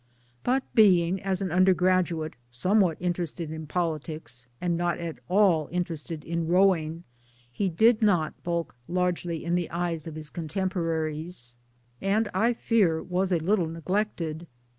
But being, as an under graduate, somewhat interested in politics and not at all interested in rowing, he did not bulk largely in the eyes of his contemporaries, and I fear was a little neglected.